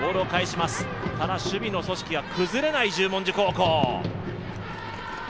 ただ、守備の組織は崩れない十文字高校。